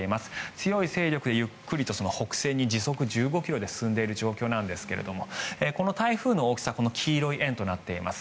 強い勢力でゆっくりと北西へ時速１５ｋｍで進んでいる状況なんですがこの台風の大きさこの黄色い円となっています。